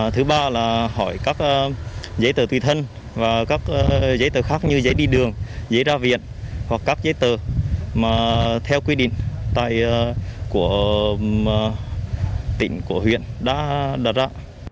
thứ ba là hỏi các giấy tờ tùy thân và các giấy tờ khác như giấy đi đường giấy ra viện hoặc các giấy tờ mà theo quy định của tỉnh của huyện đã đặt ra